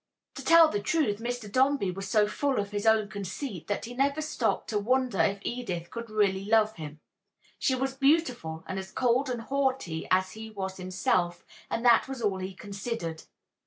To tell the truth, Mr. Dombey was so full of his own conceit that he never stopped to wonder if Edith could really love him. She was beautiful and as cold and haughty as he was himself, and that was all he considered.